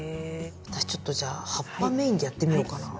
私ちょっとじゃあ葉っぱメインでやってみようかな。